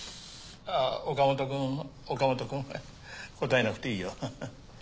岡本君岡本君答えなくていいよ。